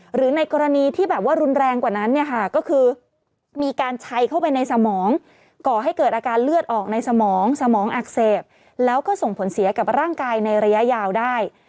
หรือในกรณีที่แบบว่ารุนแรงกว่านั้นเนี่ยค่ะก็คือมีการชัยเข้าไปในสมองก่อให้เกิดอาการเลือดออกในสมองสมองอักเสบแล้วก็ส่งผลเสียกับร่างกายในระยะยาวได้